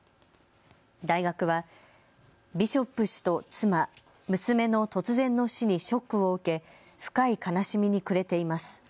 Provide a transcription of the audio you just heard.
大学はビショップ氏と妻、娘の突然の死にショックを受け深い悲しみに暮れています。